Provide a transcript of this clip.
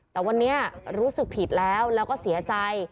แต่วันนี้รู้สึกผิดแล้วแล้วก็เสียใจ